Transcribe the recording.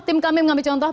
tim kami mengambil contoh